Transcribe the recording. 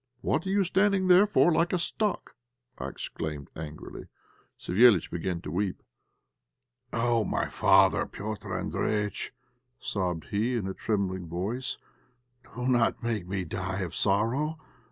"What are you standing there for like a stock?" I exclaimed, angrily. Savéliitch began to weep. "Oh! my father, Petr' Andréjïtch," sobbed he, in a trembling voice; "do not make me die of sorrow.